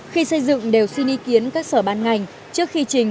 khi xây dựng đều xin ý kiến các sở ban ngành trước khi trình